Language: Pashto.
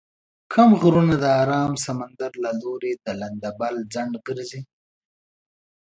کوم غرونه د ارام سمندر له لوري د لندبل خنډ ګرځي؟